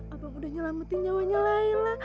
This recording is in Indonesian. aku udah nyelamatin nyawanya laila